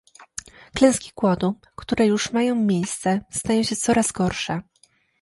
Klęski głodu, które już mają miejsce, stają się coraz gorsze